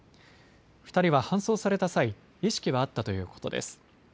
２人は搬送された際、意識はあったということです。